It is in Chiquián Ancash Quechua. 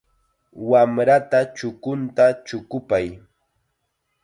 Wamrata chukunta chukupay.